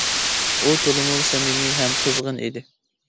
ئۇ تولىمۇ سەمىمىي ھەم قىزغىن ئىدى.